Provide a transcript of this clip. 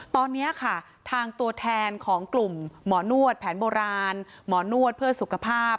ตอนนี้ค่ะทางตัวแทนของกลุ่มหมอนวดแผนโบราณหมอนวดเพื่อสุขภาพ